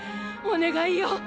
お願いよ